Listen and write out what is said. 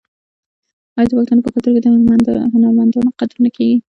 آیا د پښتنو په کلتور کې د هنرمندانو قدر نه کیږي؟